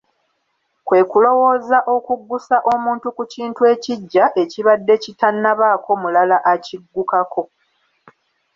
Kwe kulowooza okuggusa omuntu ku kintu ekiggya, ekibadde kitannabaako mulala akiggukako.